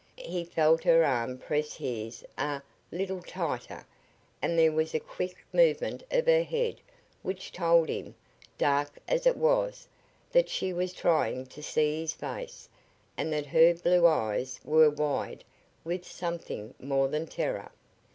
He felt her arm press his a little tighter, and there was a quick movement of her head which told him, dark as it was, that she was trying to see his face and that her blue eyes were wide with something more than terror.